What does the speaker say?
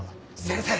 先生！？